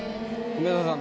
梅沢さん